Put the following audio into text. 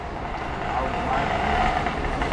Algo mais?